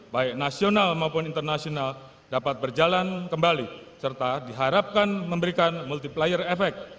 baik nasional maupun internasional dapat berjalan kembali serta diharapkan memberikan multiplier effect